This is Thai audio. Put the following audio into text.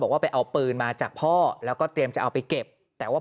ว่าไปเอาปืนมาจากพ่อแล้วก็เตรียมจะเอาไปเก็บแต่ว่า